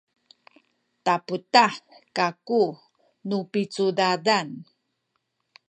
taputah kaku nu picudadan